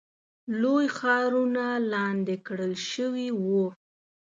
لوی ښارونه لاندې کړل شوي وو.